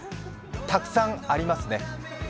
たくさんありますね。